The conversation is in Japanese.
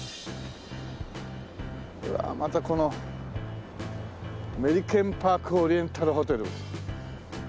わあまたこのメリケンパークオリエンタルホテル。